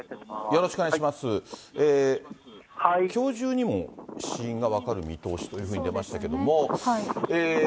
きょう中にも死因が分かる見通しというふうに出ましたけれども。